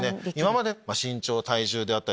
今まで身長体重であったりとか。